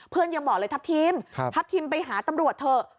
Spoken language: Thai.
ยังบอกเลยทัพทีมทัพทิมไปหาตำรวจเถอะ